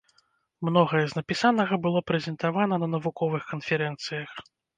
Многае з напісанага было прэзентавана на навуковых канферэнцыях.